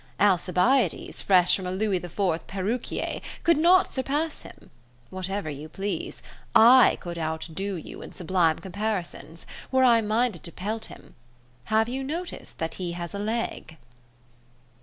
Alcibiades, fresh from a Louis IV perruquier, could not surpass him: whatever you please; I could outdo you in sublime comparisons, were I minded to pelt him. Have you noticed that he has a leg?"